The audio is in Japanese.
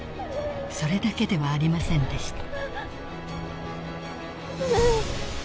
［それだけではありませんでした］